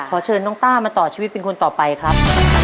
เชิญน้องต้ามาต่อชีวิตเป็นคนต่อไปครับ